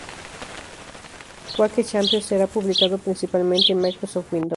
Quake Champions será publicado principalmente en Microsoft Windows.